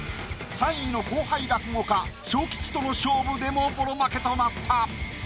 ３位の後輩落語家昇吉との勝負でもボロ負けとなった。